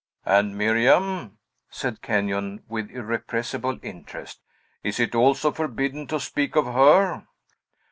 "And Miriam!" said Kenyon, with irrepressible interest. "Is it also forbidden to speak of her?"